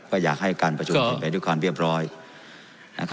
ก็อยากให้การประชุมไปด้วยความเรียบร้อยนะครับก็